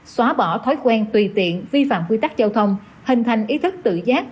xóa bỏ thói quen tùy tiện vi phạm quy tắc giao thông hình thành ý thức tự giác